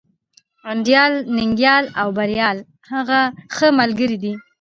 انديال، ننگيال او بريال ښه ملگري دي.